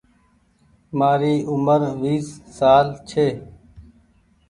مآري اومر ويس سال ڇي۔